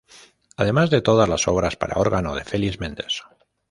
Además de todas las obras para órgano de Felix Mendelssohn.